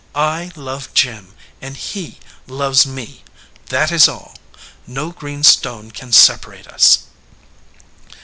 I love Jim, and he loves me. That is all. No green stone can separate us."